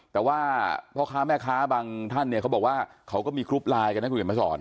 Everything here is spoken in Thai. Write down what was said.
แต่ว่าพ่อค้าแม่ค้าบางท่านเนี่ยเขาบอกว่าเขาก็มีกรุ๊ปไลน์กันนะคุณเห็นมาสอน